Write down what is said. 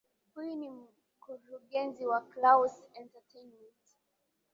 huyu ni mkurugenzi wa claus entertainment